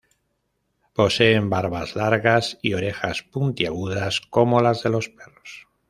Poseen barbas largas y orejas puntiagudas como las de los perros.